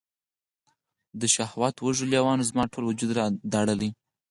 د شهوت وږو لیوانو، زما ټول وجود داړلي